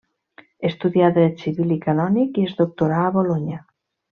Estudià dret civil i canònic i es doctorà a Bolonya.